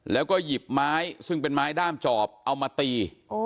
แล้วก็หยิบไม้ซึ่งเป็นไม้ด้ามจอบเอามาตี